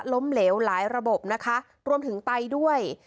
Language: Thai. ล้มเหลวหลายระบบนะคะรวมถึงไตด้วย